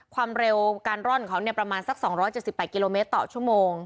ความเร็วการร่อนของเขาประมาณสัก๒๗๘กิโลเมตรต่อชั่วโมง